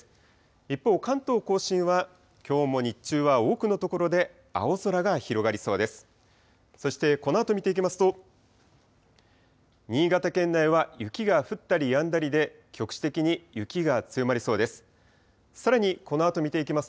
一方、関東甲信はきょうも日中は多くの所で青空が広がりそうです。